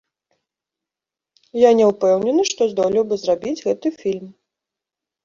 Я не ўпэўнены, што здолеў бы зрабіць гэты фільм.